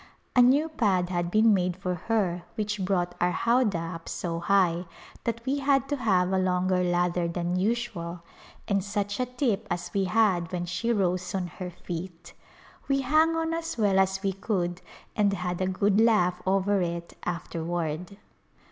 A new pad had been made for her which brought our howdah up so high that we had to have a longer ladder than usual, and such a tip as we had when she rose on her feet ! we hung on as well as we could and had a good laugh over it afterward.